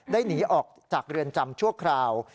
หนีออกจากเรือนจำชั่วคราว